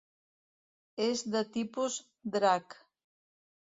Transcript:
És de tipus drac.